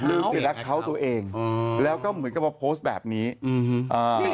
ลืมเปลี่ยนอาคาวต์ตัวเองอืมแล้วก็เหมือนกับแบบนี้อืมอ่า